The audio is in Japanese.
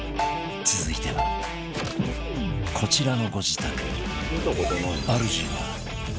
続いてはこちらのご自宅